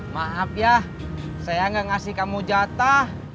maaf ya saya gak ngasih kamu jatah